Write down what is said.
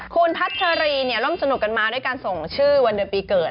คุณพัชรีร่วมสนุกกันมาด้วยการส่งชื่อวันเดือนปีเกิด